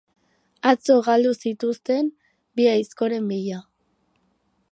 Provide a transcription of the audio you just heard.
Atzo galdu zituzten bi aizkoren bila.